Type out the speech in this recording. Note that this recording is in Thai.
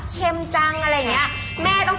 จังอะไรอย่างเงี้ยแม่ต้อง